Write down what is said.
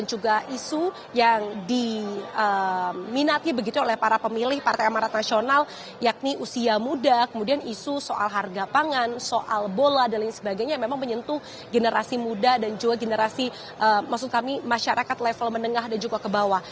juga isu yang diminati begitu oleh para pemilih partai amarat nasional yakni usia muda kemudian isu soal harga pangan soal bola dan lain sebagainya yang memang menyentuh generasi muda dan juga generasi maksud kami masyarakat level menengah dan juga ke bawah